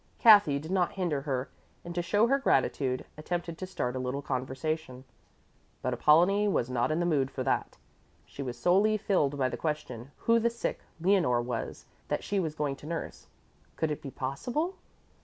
Kathy did not hinder her and, to show her gratitude, attempted to start a little conversation. But Apollonie was not in the mood for that. She was solely filled by the question who the sick Leonore was that she was going to nurse. Could it be possible?